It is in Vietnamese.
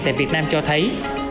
tại việt nam cho thấy